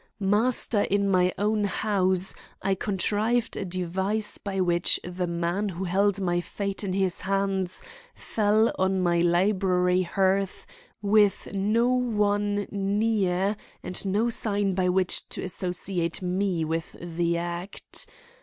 Master in my own house, I contrived a device by which the man who held my fate in his hands fell on my library hearth with no one near and no sign by which to associate me with the act.